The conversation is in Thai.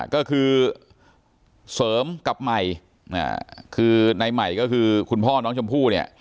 ก็คือเสริมกับใหม่คือในใหม่ก็คือคุณพ่อน้องชมพู่เนี่ย